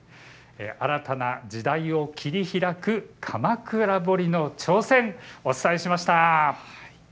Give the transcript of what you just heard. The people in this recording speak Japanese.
新たな時代を切り開く鎌倉彫の挑戦、お伝えしました。